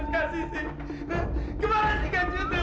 kumahan tapi gak juga